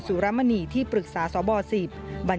สุดท้าย